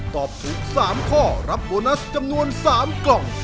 ตอบถูก๓ข้อรับโบนัสจำนวน๓กล่อง